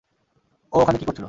ও ওখানে কী করছিল?